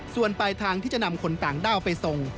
ส่วนปลายทางที่จะนำคนต่างด้าวไปส่ง